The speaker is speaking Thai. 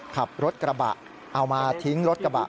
ขับรถกระบะเอามาทิ้งรถกระบะ